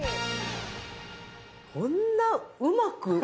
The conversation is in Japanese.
こんなうまく。